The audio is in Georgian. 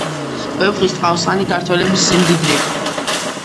ვეფხისტყაოსანი ქართველების სიმდიდრეა